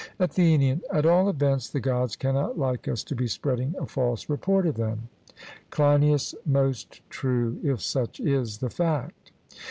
ATHENIAN: At all events, the Gods cannot like us to be spreading a false report of them. CLEINIAS: Most true, if such is the fact.